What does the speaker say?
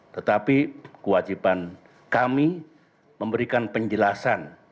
tetapi kewajiban kami memberikan penjelasan